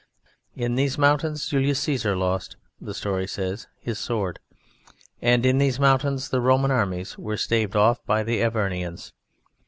In these mountains Julius Caesar lost (the story says) his sword; and in these mountains the Roman armies were staved off by the Avernians.